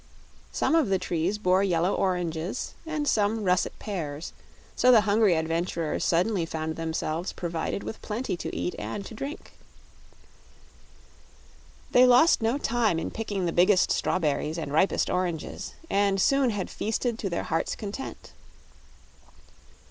Some of the trees bore yellow oranges and some russet pears, so the hungry adventurers suddenly found themselves provided with plenty to eat and to drink. They lost no time in picking the biggest strawberries and ripest oranges and soon had feasted to their hearts' content.